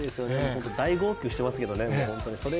僕、大号泣してますけどね、これ。